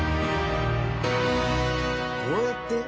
どうやって？